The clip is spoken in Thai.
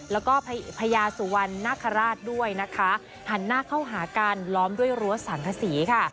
แล้วก็พญาสุวรรณนาคาราชด้วยนะคะหันหน้าเข้าหาการล้อมด้วยรั้วสังกษีค่ะ